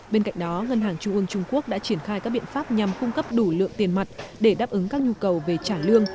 bên cạnh đó ngân hàng trung ương trung quốc đã triển khai các biện pháp nhằm cung cấp đủ lượng tiền mặt để đáp ứng các nhu cầu về trả lương